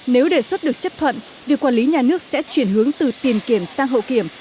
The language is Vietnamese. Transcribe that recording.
nếu đề xuất được chấp thuận việc quản lý nhà nước sẽ chuyển hướng từ tiền kiểm sang hậu kiểm